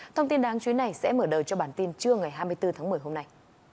thông tin đáng chú ý này sẽ mở đầu cho bản tin trưa ngày hai mươi bốn tháng một mươi hôm nay